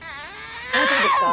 大丈夫ですか？